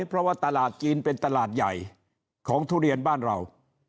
เพราะว่าตลาดจีนเป็นตลาดใหญ่ของทุเรียนบ้านเรา